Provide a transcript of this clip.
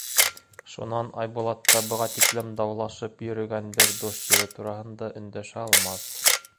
Шунан Айбулат та быға тиклем даулашып йөрөгән бер душ ере тураһында өндәшә алмаҫ.